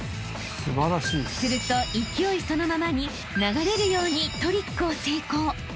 ［すると勢いそのままに流れるようにトリックを成功］